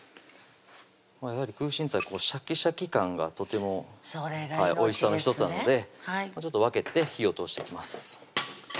やはり空心菜シャキシャキ感がとてもおいしさのひとつなので分けて火を通していきます